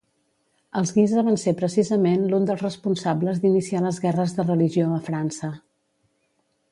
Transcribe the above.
Els Guisa van ser precisament l'un dels responsables d'iniciar les guerres de religió a França.